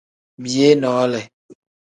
Biyee noole.